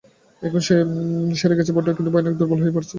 এখন তা সেরে গেছে বটে, কিন্তু ভয়ানক দুর্বল হয়ে পড়েছি।